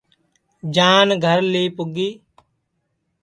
جان گھر لی پُگی